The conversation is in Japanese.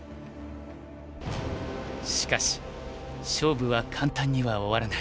しかし勝負は簡単には終わらない。